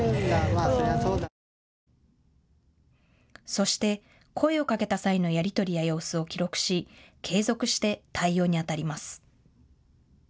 そして声をかけた際のやり取りや様子を記録し継続して対応にあたります。